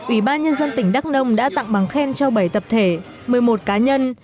ủy ban nhân dân tỉnh đắk nông đã tặng bằng khen cho bảy tập thể một mươi một cá nhân